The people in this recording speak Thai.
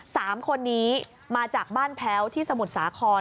สามคนนี้มาจากบ้านแพ้วที่สมุทรสาคร